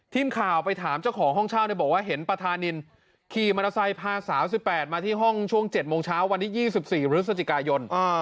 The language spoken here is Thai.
ทีมข่าวไปถามเจ้าของห้องเช่าบอกว่าเห็นประธานินขี่มอเตอร์ไซค์พาสาว๑๘มาที่ห้องช่วง๗โมงเช้าวันที่๒๔พฤศจิกายน